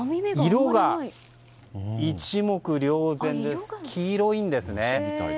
色が一目瞭然、黄色いんですね。